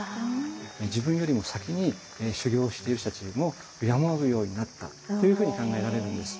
自分よりも先に修行してる人たちも敬うようになったっていうふうに考えられるんです。